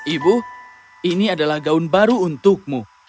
ibu ini adalah gaun baru untukmu